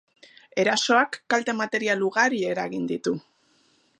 Erasoak kalte material ugari eragin ditu.